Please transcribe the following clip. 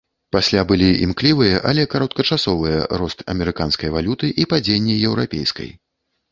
Пасля былі імклівыя, але кароткачасовыя рост амерыканскай валюты і падзенне еўрапейскай.